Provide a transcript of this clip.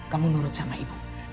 kamu nurut sama ibu